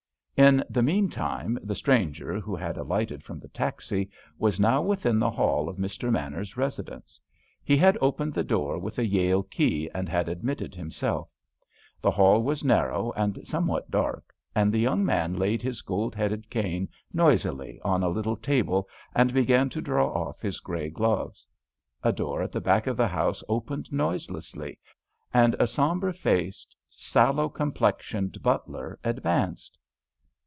In the meantime the stranger, who had alighted from the taxi, was now within the hall of Mr. Manners's residence. He had opened the door with a Yale key and had admitted himself. The hall was narrow and somewhat dark, and the young man laid his gold headed cane noisily on a little table, and began to draw off his grey gloves. A door at the back of the house opened noiselessly, and a sombre faced, sallow complexioned butler advanced.